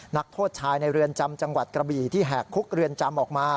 นักโทษชายในเรือนจำจังหวัดกระบี่ที่แหกคุกเรือนจำออกมา